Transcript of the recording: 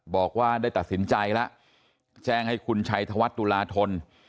บอกว่าได้ตัดสินใจแล้วแจ้งให้คุณชัยธวัฒน์ตุลาธน